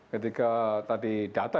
ketika tadi data